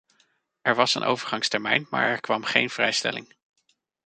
Er was een overgangstermijn, maar er kwam geen vrijstelling.